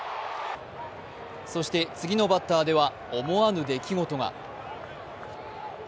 そして次のバッターでは思わぬ出来事が。